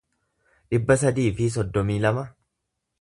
dhibba sadii fi soddomii lama